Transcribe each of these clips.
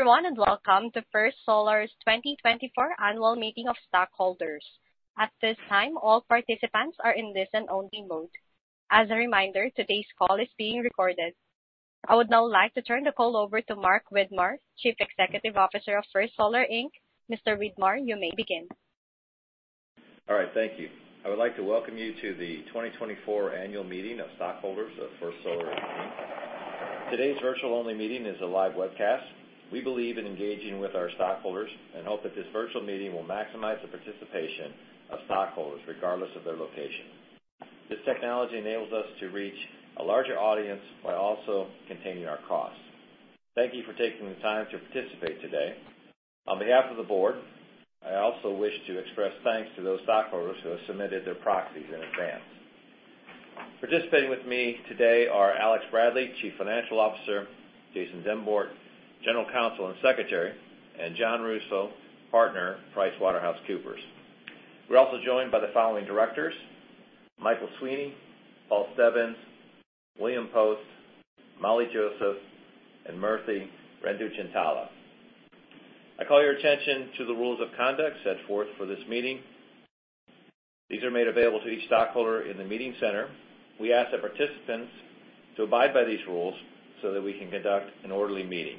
Hello everyone and welcome to First Solar's 2024 annual meeting of stakeholders. At this time, all participants are in listen-only mode. As a reminder, today's call is being recorded. I would now like to turn the call over to Mark Widmar, Chief Executive Officer of First Solar, Inc. Mr. Widmar, you may begin. All right, thank you. I would like to welcome you to the 2024 annual meeting of stakeholders of First Solar, Inc. Today's virtual-only meeting is a live webcast. We believe in engaging with our stakeholders and hope that this virtual meeting will maximize the participation of stakeholders regardless of their location. This technology enables us to reach a larger audience while also containing our costs. Thank you for taking the time to participate today. On behalf of the board, I also wish to express thanks to those stakeholders who have submitted their proxies in advance. Participating with me today are Alex Bradley, Chief Financial Officer, Jason Dymbort, General Counsel and Secretary, and John Russo, Partner, PricewaterhouseCoopers. We're also joined by the following directors: Michael Sweeney, Paul Stebbins, William Post, Molly Joseph, and Murthy Renduchintala. I call your attention to the rules of conduct set forth for this meeting. These are made available to each stakeholder in the meeting center. We ask that participants abide by these rules so that we can conduct an orderly meeting.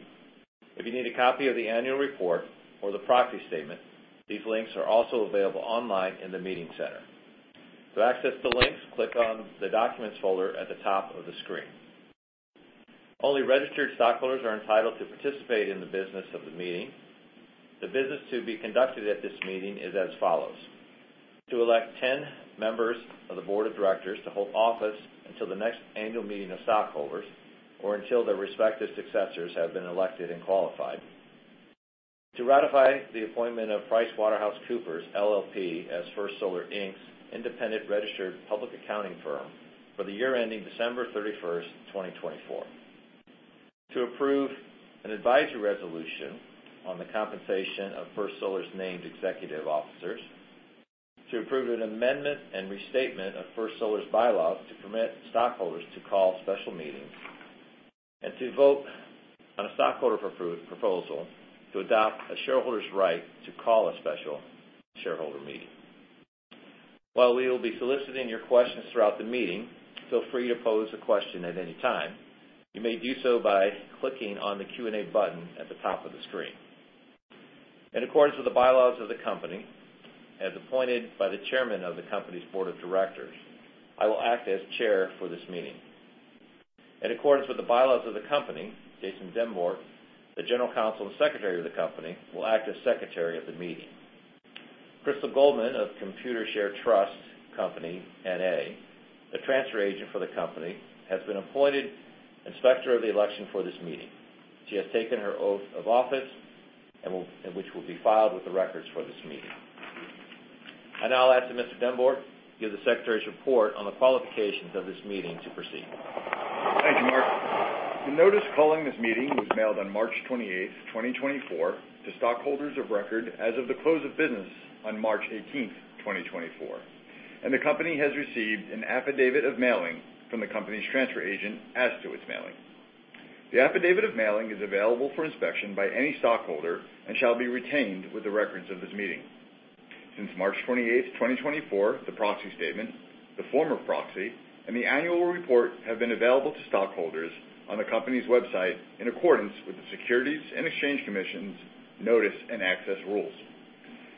If you need a copy of the annual report or the Proxy Statement, these links are also available online in the meeting center. To access the links, click on the Documents folder at the top of the screen. Only registered stakeholders are entitled to participate in the business of the meeting. The business to be conducted at this meeting is as follows: to elect 10 members of the board of directors to hold office until the next annual meeting of stakeholders or until their respective successors have been elected and qualified; to ratify the appointment of PricewaterhouseCoopers LLP as First Solar, Inc.'s independent registered public accounting firm for the year ending December 31st, 2024; to approve an advisory resolution on the compensation of First Solar's named executive officers; to approve an amendment and restatement of First Solar's bylaws to permit stakeholders to call special meetings; and to vote on a stakeholder proposal to adopt a shareholder's right to call a special shareholder meeting. While we will be soliciting your questions throughout the meeting, feel free to pose a question at any time. You may do so by clicking on the Q&A button at the top of the screen. In accordance with the bylaws of the company, as appointed by the chairman of the company's board of directors, I will act as chair for this meeting. In accordance with the bylaws of the company, Jason Dymbort, the General Counsel and Secretary of the company, will act as secretary of the meeting. Crystal Goldman of Computershare Trust Company, N.A., the transfer agent for the company, has been appointed inspector of the election for this meeting. She has taken her oath of office and which will be filed with the records for this meeting. I now ask that Mr. Dymbort give the secretary's report on the qualifications of this meeting to proceed. Thank you, Mark. The notice calling this meeting was mailed on March 28th, 2024, to stakeholders of record as of the close of business on March 18th, 2024, and the company has received an affidavit of mailing from the company's transfer agent as to its mailing. The affidavit of mailing is available for inspection by any stakeholder and shall be retained with the records of this meeting. Since March 28th, 2024, the proxy statement, the former proxy, and the annual report have been available to stakeholders on the company's website in accordance with the Securities and Exchange Commission's notice and access rules.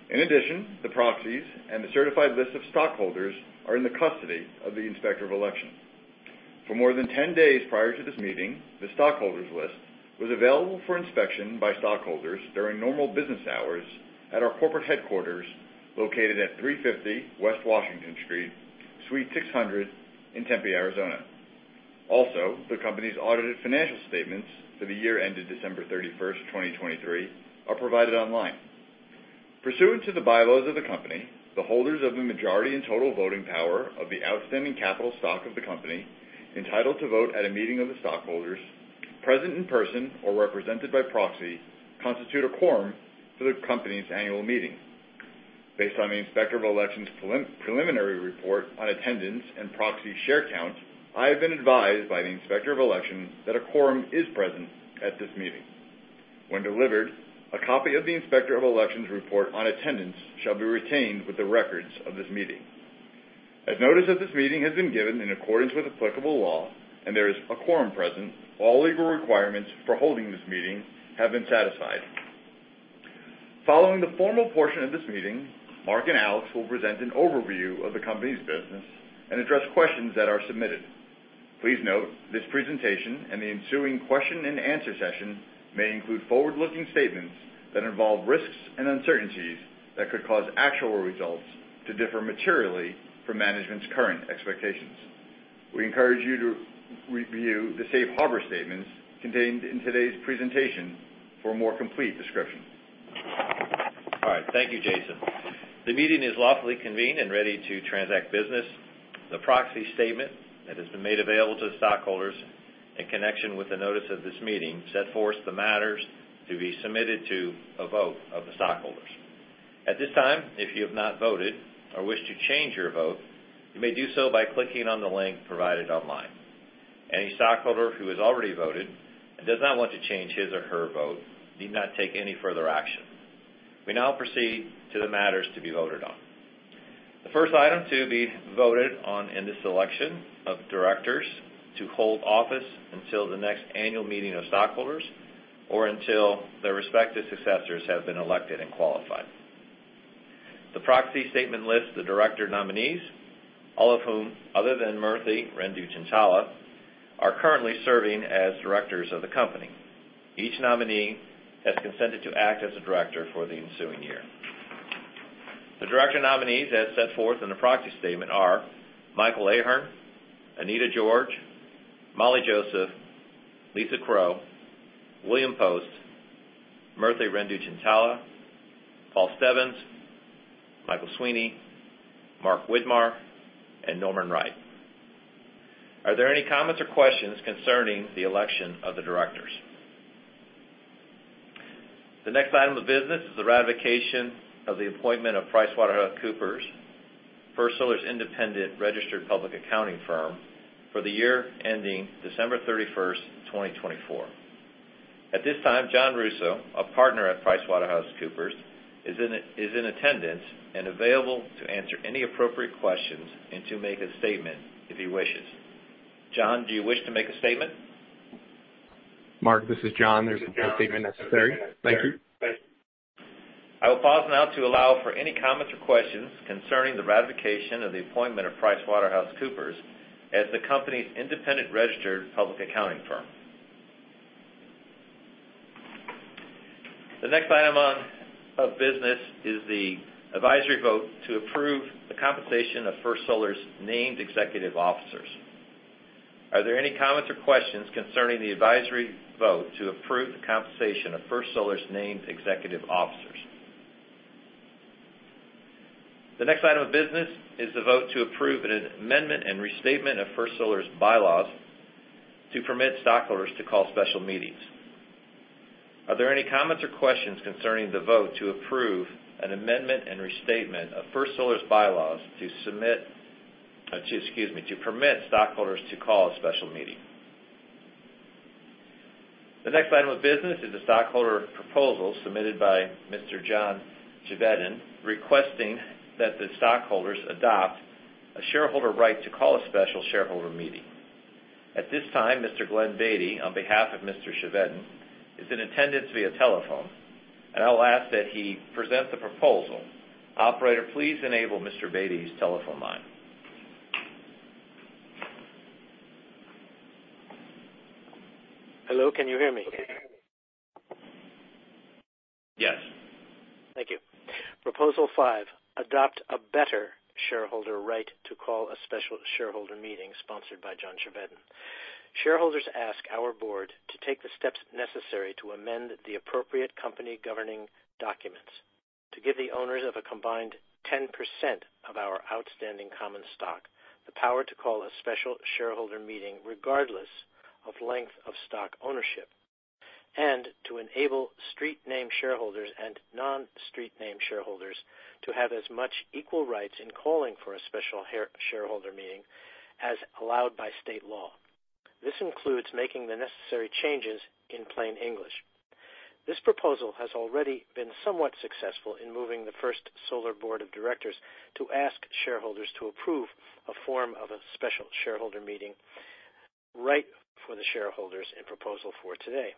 In addition, the proxies and the certified list of stakeholders are in the custody of the inspector of election. For more than 10 days prior to this meeting, the stakeholders' list was available for inspection by stakeholders during normal business hours at our corporate headquarters located at 350 West Washington Street, Suite 600, in Tempe, Arizona. Also, the company's audited financial statements for the year ended December 31st, 2023, are provided online. Pursuant to the bylaws of the company, the holders of the majority and total voting power of the outstanding capital stock of the company entitled to vote at a meeting of the stakeholders, present in person or represented by proxy, constitute a quorum for the company's annual meeting. Based on the inspector of election's preliminary report on attendance and proxy share count, I have been advised by the inspector of election that a quorum is present at this meeting. When delivered, a copy of the inspector of election's report on attendance shall be retained with the records of this meeting. As notice of this meeting has been given in accordance with applicable law and there is a quorum present, all legal requirements for holding this meeting have been satisfied. Following the formal portion of this meeting, Mark and Alex will present an overview of the company's business and address questions that are submitted. Please note, this presentation and the ensuing question-and-answer session may include forward-looking statements that involve risks and uncertainties that could cause actual results to differ materially from management's current expectations. We encourage you to review the safe harbor statements contained in today's presentation for a more complete description. All right, thank you, Jason. The meeting is lawfully convened and ready to transact business. The proxy statement that has been made available to the shareholders in connection with the notice of this meeting set forth the matters to be submitted to a vote of the shareholders. At this time, if you have not voted or wish to change your vote, you may do so by clicking on the link provided online. Any shareholder who has already voted and does not want to change his or her vote need not take any further action. We now proceed to the matters to be voted on. The first item to be voted on in this election of directors to hold office until the next annual meeting of shareholders or until their respective successors have been elected and qualified. The proxy statement lists the director nominees, all of whom, other than Murthy Renduchintala, are currently serving as directors of the company. Each nominee has consented to act as a director for the ensuing year. The director nominees, as set forth in the proxy statement, are Michael Ahearn, Anita George, Molly Joseph, Lisa Kro, William Post, Murthy Renduchintala, Paul Stebbins, Michael Sweeney, Mark Widmar, and Norman Wright. Are there any comments or questions concerning the election of the directors? The next item of business is the ratification of the appointment of PricewaterhouseCoopers, First Solar's independent registered public accounting firm, for the year ending December 31st, 2024. At this time, John Russo, a partner at PricewaterhouseCoopers, is in attendance and available to answer any appropriate questions and to make a statement if he wishes. John, do you wish to make a statement? Mark, this is John. Is a statement necessary? Thank you. I will pause now to allow for any comments or questions concerning the ratification of the appointment of PricewaterhouseCoopers as the company's independent registered public accounting firm. The next item of business is the advisory vote to approve the compensation of First Solar's named executive officers. Are there any comments or questions concerning the advisory vote to approve the compensation of First Solar's named executive officers? The next item of business is the vote to approve an amendment and restatement of First Solar's bylaws to permit stakeholders to call special meetings. Are there any comments or questions concerning the vote to approve an amendment and restatement of First Solar's bylaws to submit excuse me, to permit stakeholders to call a special meeting? The next item of business is the stakeholder proposal submitted by Mr. John Chevedden requesting that the shareholders adopt a shareholder right to call a special shareholder meeting. At this time, Mr. Glyn Beatty, on behalf of Mr. Chevedden, is in attendance via telephone, and I will ask that he present the proposal. Operator, please enable Mr. Beatty's telephone line. Hello, can you hear me? Yes. Thank you. Proposal five: adopt a better shareholder right to call a special shareholder meeting sponsored by John Chevedden. Shareholders ask our board to take the steps necessary to amend the appropriate company governing documents, to give the owners of a combined 10% of our outstanding common stock the power to call a special shareholder meeting regardless of length of stock ownership, and to enable street-name shareholders and non-street-name shareholders to have as much equal rights in calling for a special shareholder meeting as allowed by state law. This includes making the necessary changes in plain English. This proposal has already been somewhat successful in moving the First Solar board of directors to ask shareholders to approve a form of a special shareholder meeting right for the shareholders in proposal four today.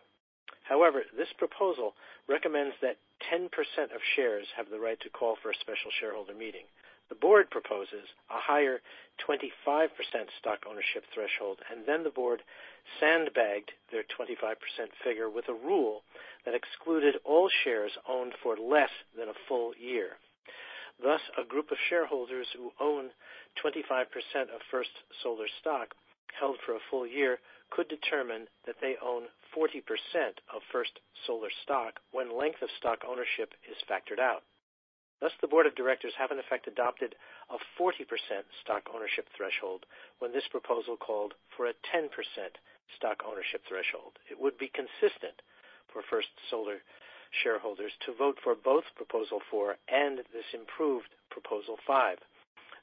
However, this proposal recommends that 10% of shares have the right to call for a special shareholder meeting. The board proposes a higher 25% stock ownership threshold, and then the board sandbagged their 25% figure with a rule that excluded all shares owned for less than a full year. Thus, a group of shareholders who own 25% of First Solar stock held for a full year could determine that they own 40% of First Solar stock when length of stock ownership is factored out. Thus, the board of directors haven't in fact adopted a 40% stock ownership threshold when this proposal called for a 10% stock ownership threshold. It would be consistent for First Solar shareholders to vote for both proposal four and this improved proposal five.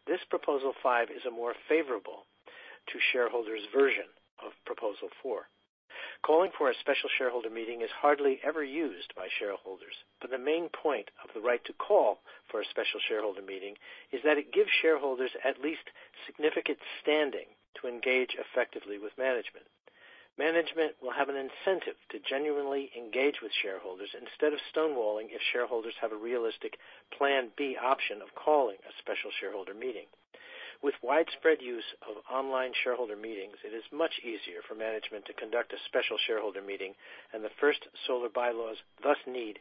This proposal five is a more favorable-to-shareholders version of proposal four. Calling for a special shareholder meeting is hardly ever used by shareholders, but the main point of the right to call for a special shareholder meeting is that it gives shareholders at least significant standing to engage effectively with management. Management will have an incentive to genuinely engage with shareholders instead of stonewalling if shareholders have a realistic plan B option of calling a special shareholder meeting. With widespread use of online shareholder meetings, it is much easier for management to conduct a special shareholder meeting, and the First Solar bylaws thus need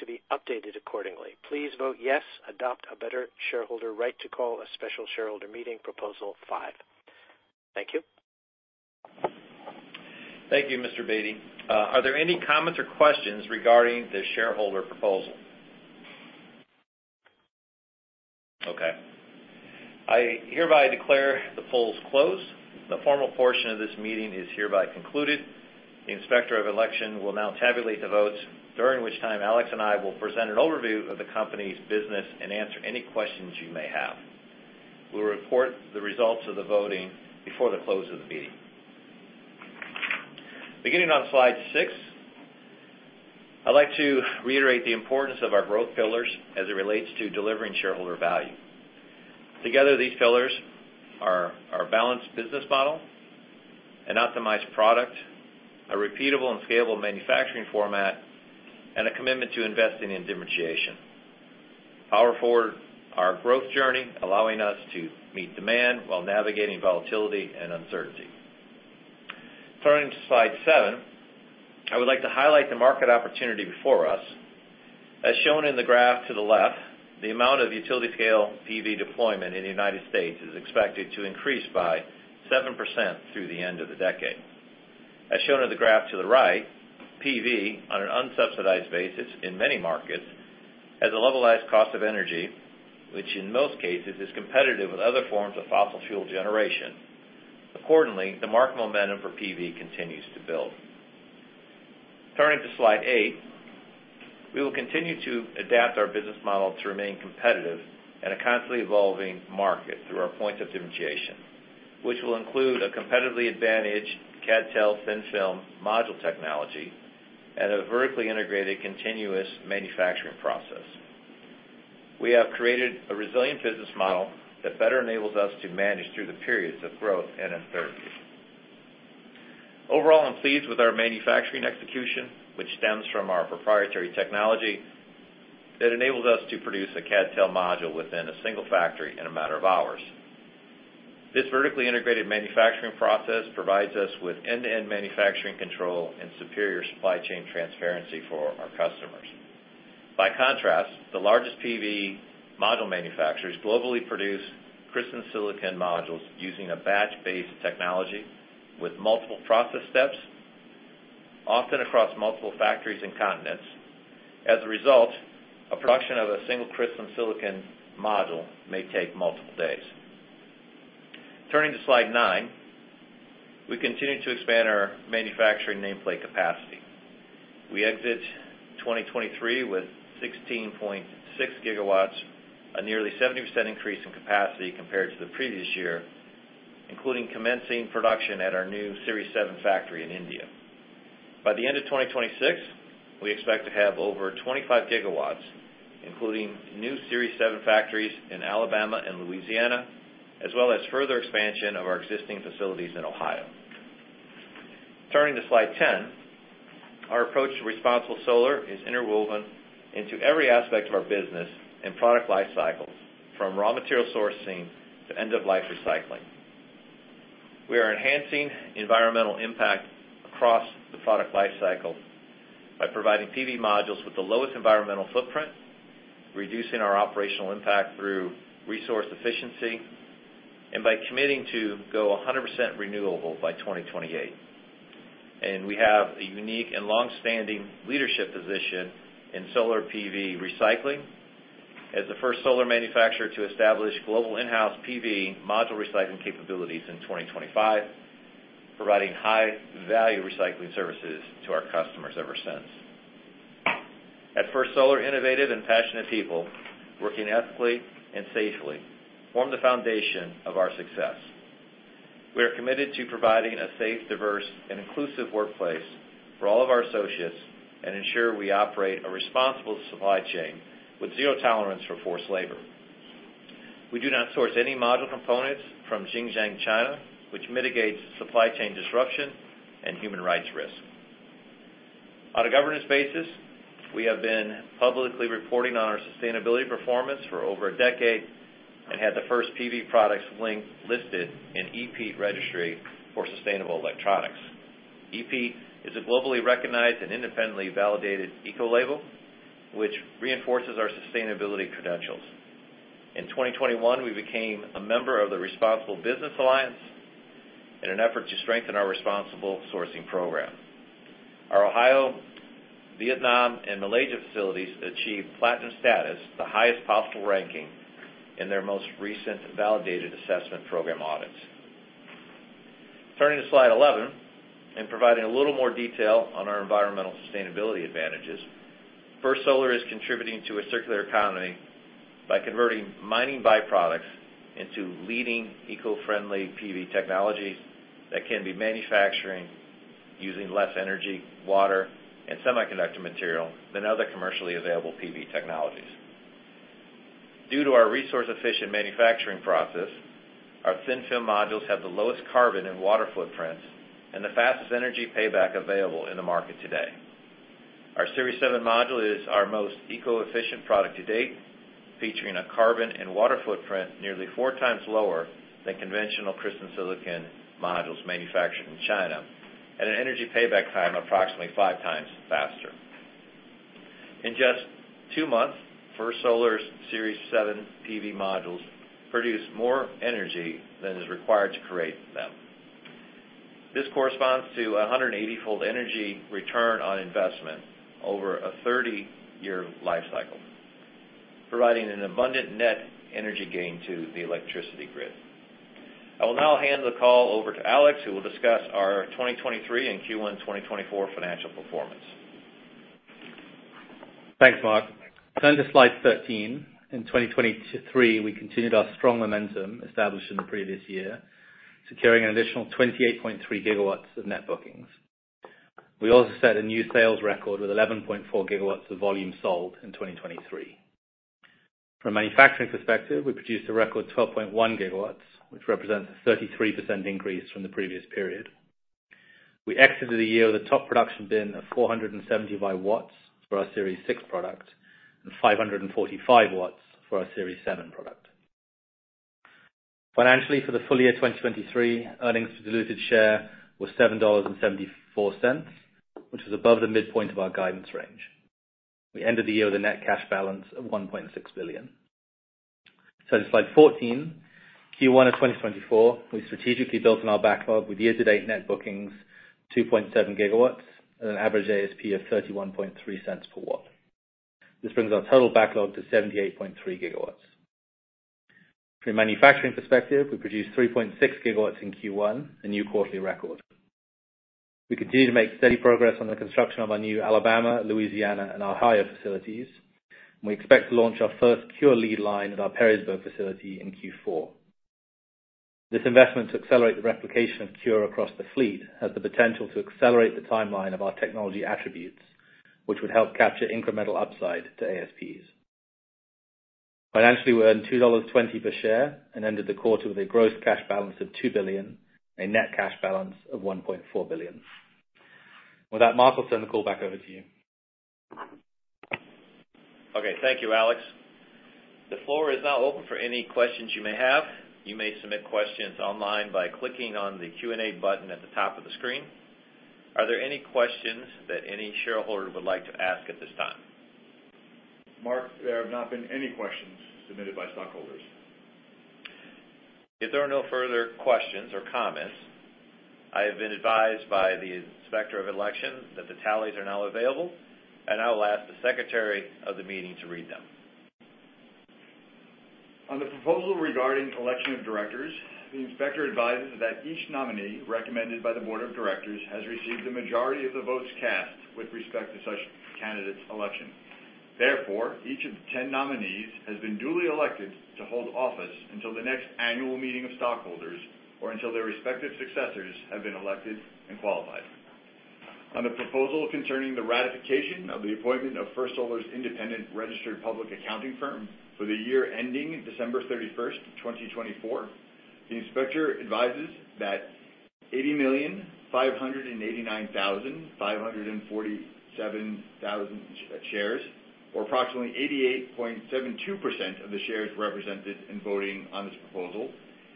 to be updated accordingly. Please vote yes, adopt a better shareholder right to call a special shareholder meeting proposal 5. Thank you. Thank you, Mr. Beatty. Are there any comments or questions regarding the shareholder proposal? Okay. I hereby declare the polls closed. The formal portion of this meeting is hereby concluded. The inspector of election will now tabulate the votes, during which time Alex and I will present an overview of the company's business and answer any questions you may have. We will report the results of the voting before the close of the meeting. Beginning on slide 6, I'd like to reiterate the importance of our growth pillars as it relates to delivering shareholder value. Together, these pillars are our balanced business model, an optimized product, a repeatable and scalable manufacturing format, and a commitment to investing in differentiation. Power forward our growth journey, allowing us to meet demand while navigating volatility and uncertainty. Turning to slide 7, I would like to highlight the market opportunity before us. As shown in the graph to the left, the amount of utility-scale PV deployment in the United States is expected to increase by 7% through the end of the decade. As shown in the graph to the right, PV on an unsubsidized basis in many markets has a levelized cost of energy, which in most cases is competitive with other forms of fossil fuel generation. Accordingly, the market momentum for PV continues to build. Turning to slide 8, we will continue to adapt our business model to remain competitive in a constantly evolving market through our points of differentiation, which will include a competitively advantaged CdTe thin film module technology and a vertically integrated continuous manufacturing process. We have created a resilient business model that better enables us to manage through the periods of growth and uncertainty. Overall, I'm pleased with our manufacturing execution, which stems from our proprietary technology that enables us to produce a CdTe module within a single factory in a matter of hours. This vertically integrated manufacturing process provides us with end-to-end manufacturing control and superior supply chain transparency for our customers. By contrast, the largest PV module manufacturers globally produce crystal silicon modules using a batch-based technology with multiple process steps, often across multiple factories and continents. As a result, a production of a single crystal silicon module may take multiple days. Turning to slide 9, we continue to expand our manufacturing nameplate capacity. We exit 2023 with 16.6 gigawatts, a nearly 70% increase in capacity compared to the previous year, including commencing production at our new Series 7 factory in India. By the end of 2026, we expect to have over 25 gigawatts, including new Series 7 factories in Alabama and Louisiana, as well as further expansion of our existing facilities in Ohio. Turning to slide 10, our approach to responsible solar is interwoven into every aspect of our business and product life cycles, from raw material sourcing to end-of-life recycling. We are enhancing environmental impact across the product life cycle by providing PV modules with the lowest environmental footprint, reducing our operational impact through resource efficiency, and by committing to go 100% renewable by 2028. We have a unique and longstanding leadership position in solar PV recycling as the first solar manufacturer to establish global in-house PV module recycling capabilities in 2025, providing high-value recycling services to our customers ever since. At First Solar, innovative and passionate people working ethically and safely form the foundation of our success. We are committed to providing a safe, diverse, and inclusive workplace for all of our associates and ensure we operate a responsible supply chain with zero tolerance for forced labor. We do not source any module components from Xinjiang, China, which mitigates supply chain disruption and human rights risk. On a governance basis, we have been publicly reporting on our sustainability performance for over a decade and had the first PV products listed in EPEAT registry for sustainable electronics. EPEAT is a globally recognized and independently validated eco-label, which reinforces our sustainability credentials. In 2021, we became a member of the Responsible Business Alliance in an effort to strengthen our responsible sourcing program. Our Ohio, Vietnam, and Malaysia facilities achieved platinum status, the highest possible ranking, in their most recent validated assessment program audits. Turning to slide 11 and providing a little more detail on our environmental sustainability advantages, First Solar is contributing to a circular economy by converting mining byproducts into leading eco-friendly PV technologies that can be manufactured using less energy, water, and semiconductor material than other commercially available PV technologies. Due to our resource-efficient manufacturing process, our Thin Film modules have the lowest carbon and water footprints and the fastest energy payback available in the market today. Our Series 7 module is our most eco-efficient product to date, featuring a carbon and water footprint nearly 4 times lower than conventional crystalline silicon modules manufactured in China and an energy payback time approximately 5 times faster. In just 2 months, First Solar's Series 7 PV modules produce more energy than is required to create them. This corresponds to a 180-fold energy return on investment over a 30-year life cycle, providing an abundant net energy gain to the electricity grid. I will now hand the call over to Alex, who will discuss our 2023 and Q1 2024 financial performance. Thanks, Mark. Turning to slide 13, in 2023, we continued our strong momentum established in the previous year, securing an additional 28.3 gigawatts of net bookings. We also set a new sales record with 11.4 gigawatts of volume sold in 2023. From a manufacturing perspective, we produced a record 12.1 gigawatts, which represents a 33% increase from the previous period. We exited the year with a top production bin of 475 watts for our Series 6 product and 545 watts for our Series 7 product. Financially, for the full year 2023, earnings per diluted share were $7.74, which was above the midpoint of our guidance range. We ended the year with a net cash balance of $1.6 billion. Turning to slide 14, Q1 of 2024, we strategically built on our backlog with year-to-date net bookings 2.7 gigawatts and an average ASP of $0.313 per watt. This brings our total backlog to 78.3 gigawatts. From a manufacturing perspective, we produced 3.6 gigawatts in Q1, a new quarterly record. We continue to make steady progress on the construction of our new Alabama, Louisiana, and Ohio facilities, and we expect to launch our first CuRe lead line at our Perrysburg facility in Q4. This investment to accelerate the replication of CuRe across the fleet has the potential to accelerate the timeline of our technology attributes, which would help capture incremental upside to ASPs. Financially, we earned $2.20 per share and ended the quarter with a gross cash balance of $2 billion, a net cash balance of $1.4 billion. With that, Mark, I'll turn the call back over to you. Okay. Thank you, Alex. The floor is now open for any questions you may have. You may submit questions online by clicking on the Q&A button at the top of the screen. Are there any questions that any shareholder would like to ask at this time? Mark, there have not been any questions submitted by stockholders. If there are no further questions or comments, I have been advised by the inspector of election that the tallies are now available, and I will ask the secretary of the meeting to read them. On the proposal regarding election of directors, the inspector advises that each nominee recommended by the board of directors has received the majority of the votes cast with respect to such candidates' election. Therefore, each of the 10 nominees has been duly elected to hold office until the next annual meeting of stockholders or until their respective successors have been elected and qualified. On the proposal concerning the ratification of the appointment of First Solar's independent registered public accounting firm for the year ending December 31st, 2024, the inspector advises that 80,589,547 shares, or approximately 88.72% of the shares represented in voting on this proposal,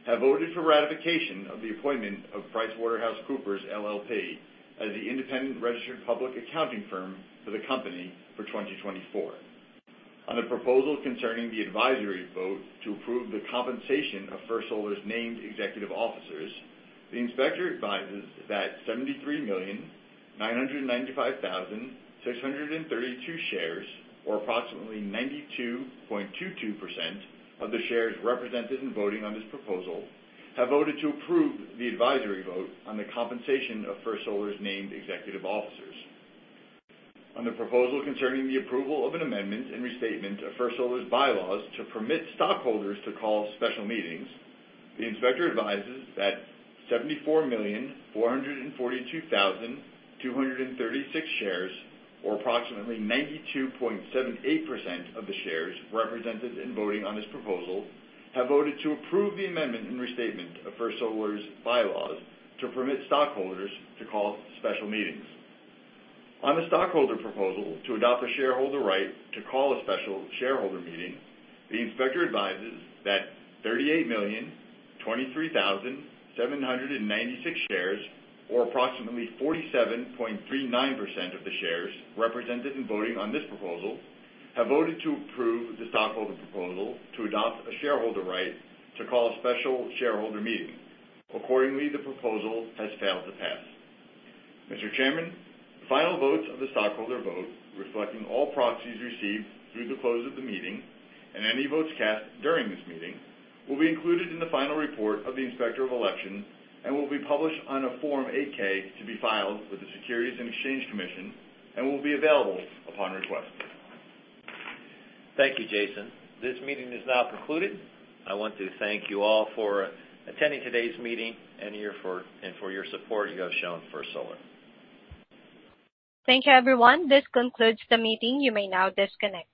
have voted for ratification of the appointment of PricewaterhouseCoopers LLP, as the independent registered public accounting firm for the company for 2024. On the proposal concerning the advisory vote to approve the compensation of First Solar's named executive officers, the inspector advises that 73,995,632 shares, or approximately 92.22% of the shares represented in voting on this proposal, have voted to approve the advisory vote on the compensation of First Solar's named executive officers. On the proposal concerning the approval of an amendment and restatement of First Solar's Bylaws to permit stockholders to call special meetings, the inspector advises that 74,442,236 shares, or approximately 92.78% of the shares represented in voting on this proposal, have voted to approve the amendment and restatement of First Solar's Bylaws to permit stockholders to call special meetings. On the stockholder proposal to adopt the shareholder right to call a special shareholder meeting, the inspector advises that 38,023,796 shares, or approximately 47.39% of the shares represented in voting on this proposal, have voted to approve the stockholder proposal to adopt a shareholder right to call a special shareholder meeting. Accordingly, the proposal has failed to pass. Mr. Chairman, the final votes of the stockholder vote, reflecting all proxies received through the close of the meeting and any votes cast during this meeting, will be included in the final report of the inspector of election and will be published on a Form 8-K to be filed with the Securities and Exchange Commission and will be available upon request. Thank you, Jason. This meeting is now concluded. I want to thank you all for attending today's meeting and for your support you have shown First Solar. Thank you, everyone. This concludes the meeting. You may now disconnect.